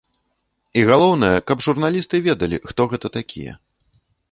І галоўнае, каб журналісты ведалі, хто гэта такія.